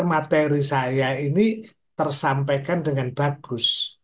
materi saya ini tersampaikan dengan bagus